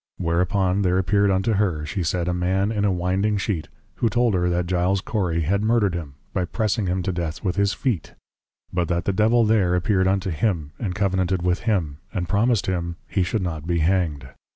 Whereupon there appeared unto her (she said) a man in a Winding Sheet, who told her that Giles Cory had Murdered him, by Pressing him to Death with his Feet; but that the Devil there appeared unto him, and Covenanted with him, and promised him, _He should not be Hanged.